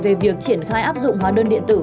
về việc triển khai áp dụng hóa đơn điện tử